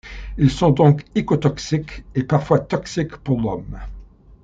Ils sont donc écotoxiques et parfois toxiques pour l'homme.